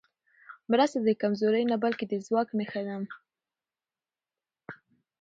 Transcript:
مرسته د کمزورۍ نه، بلکې د ځواک نښه ده.